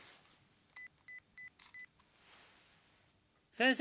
先生！